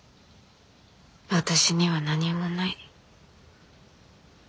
私には何もない。